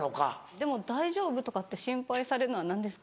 でも「大丈夫？」とかって心配されるのは何ですか？